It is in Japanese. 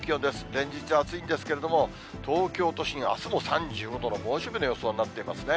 連日、暑いんですけれども、東京都心、あすも３５度の猛暑日の予想になっていますね。